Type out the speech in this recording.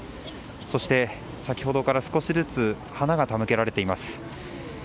そして先ほどから少しずつ花が手向けられています。